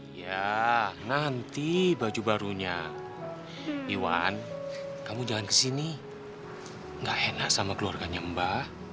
iya nanti baju barunya iwan kamu jangan kesini gak enak sama keluarganya mba